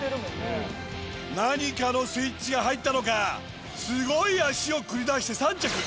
何かのスイッチが入ったのかすごい脚を繰り出して３着。